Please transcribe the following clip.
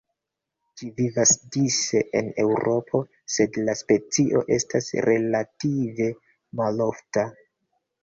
Ĝi vivas dise en Eŭropo, sed la specio estas relative malofta.